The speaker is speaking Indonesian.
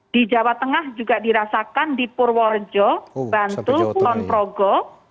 di jawa tengah juga dirasakan di purworejo bantu puanprogo